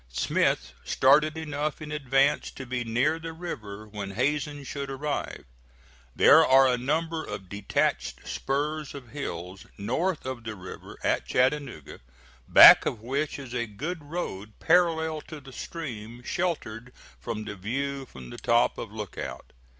Smith started enough in advance to be near the river when Hazen should arrive. There are a number of detached spurs of hills north of the river at Chattanooga, back of which is a good road parallel to the stream, sheltered from the view from the top of Lookout.